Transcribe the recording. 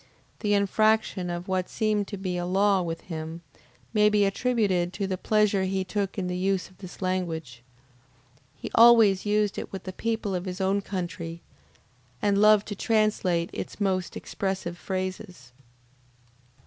This infraction of what seemed to be a law with him, may be attributed to the pleasure he took in the use of this language. He always used it with the people of his own country, and loved to translate its most expressive phrases.